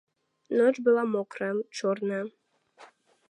Ноч была мокрая, чорная.